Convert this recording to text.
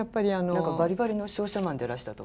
何かバリバリの商社マンでいらしたと。